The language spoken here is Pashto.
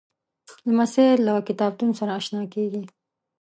لمسی له کتابتون سره اشنا کېږي.